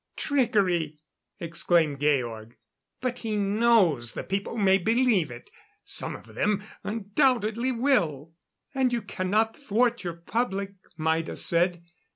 "Trickery!" exclaimed Georg. "But he knows the people may believe it. Some of them undoubtedly will." "And you cannot thwart your public," Maida said.